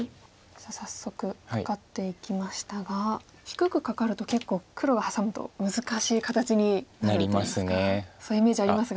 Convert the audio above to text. さあ早速カカっていきましたが低くカカると結構黒がハサむと難しい形になるといいますかそういうイメージありますが。